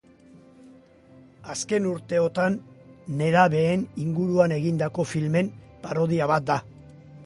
Azken urteotan nerabeen inguruan egindako filmen parodia bat da.